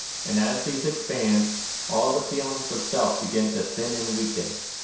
And as these expand, all the feelings of self begin to thin 236 NIRVANA and weaken.